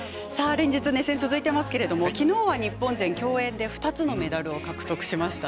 連日熱戦続いていますがきのうは日本勢競泳でメダルを２つ獲得しました。